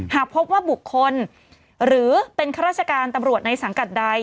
หากพบว่าบุคคลหรือเป็นข้าราชการตำรวจในสังกัดใด